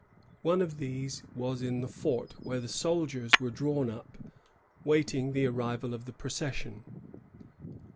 One of these was in the fort, where the soldiers were drawn up, waiting the arrival of the procession.